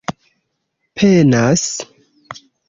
penas